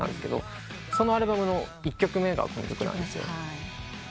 そのアルバムの１曲目がこの曲なんですよ。